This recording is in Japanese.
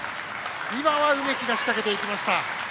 今は梅木が仕掛けました。